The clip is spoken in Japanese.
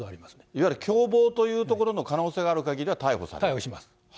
いわゆる共謀というところの可能性があるかぎりは逮捕する。